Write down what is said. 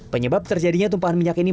penyebab terjadinya tumpahan minyak ini